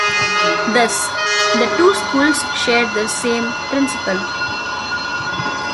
Thus, the two schools share the same principal.